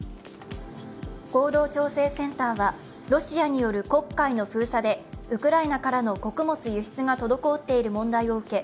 合同調整センターはロシアによる黒海の封鎖でウクライナからの穀物輸出が滞っている問題を受け